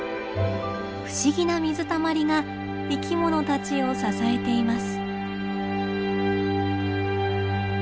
不思議な水たまりが生きものたちを支えています。